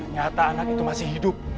nyata anak itu masih hidup